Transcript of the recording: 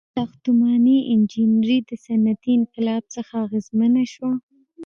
• ساختماني انجینري د صنعتي انقلاب څخه اغیزمنه شوه.